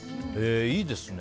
いいですね。